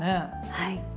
はい。